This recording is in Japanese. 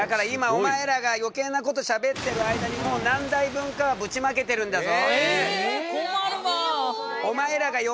お前らがよけいなことをしゃべってる間にもう何台分かぶちまけてるんだぞ。